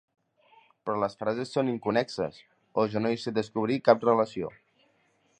Però les frases són inconnexes, o jo no hi sé descobrir cap relació.